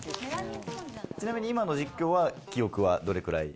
ちなみに今の実況は、記憶はどれくらい？